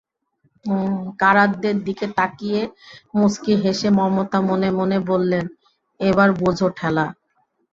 কারাতদের দিকে তাকিয়ে মুচকি হেসে মমতা মনে মনে বললেন, এবার বোঝো ঠেলা।